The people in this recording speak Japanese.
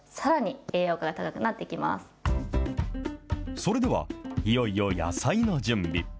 それではいよいよ野菜の準備。